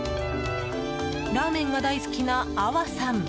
ラーメンが大好きなアワさん。